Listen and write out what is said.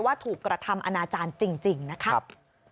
ถูกกระทำอนาจารย์จริงนะครับ